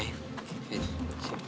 ketemu anak black cobra lagi